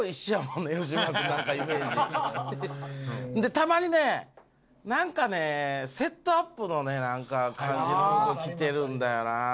たまにねなんかねセットアップの感じの服着てるんだよななんか。